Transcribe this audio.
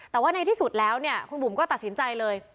แต่ว่าในที่สุดแล้วเนี่ยคุณบุ๋มก็ตัดสินใจเลย